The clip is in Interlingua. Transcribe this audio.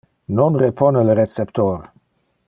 Non repone le receptor!